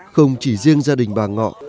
không chỉ riêng gia đình bà ngọ